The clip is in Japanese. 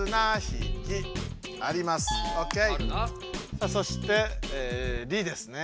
さあそして「り」ですね。